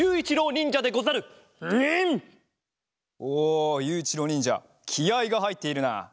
おゆういちろうにんじゃきあいがはいっているな。